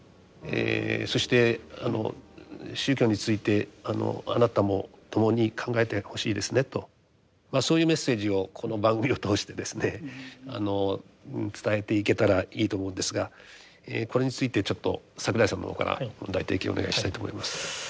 そして宗教についてあなたも共に考えてほしいですねとそういうメッセージをこの番組を通してですね伝えていけたらいいと思うんですがこれについてちょっと櫻井さんの方から問題提起をお願いしたいと思います。